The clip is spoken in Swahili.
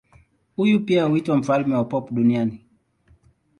Huyu pia huitwa mfalme wa pop duniani.